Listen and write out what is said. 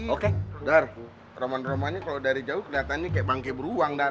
oke dar roman romannya kalau dari jauh kelihatannya kayak bangke beruang dah